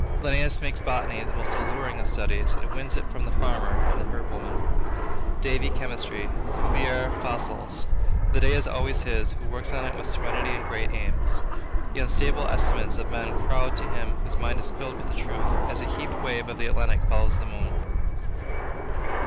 Linnaeus makes botany the most alluring of studies, and wins it from the farmer and the herb woman; Davy, chemistry; and Cuvier, fossils. The day is always his, who works in it with serenity and great aims. The unstable estimates of men crowd to him whose mind is filled with a truth, as the heaped waves of the Atlantic follow the moon.